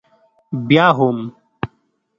بیا هم؟